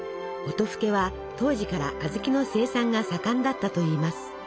音更は当時から小豆の生産が盛んだったといいます。